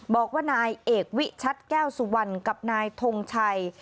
บอกว่านายเอกวิชัดแก้วสุวรรณกับนายทงชัย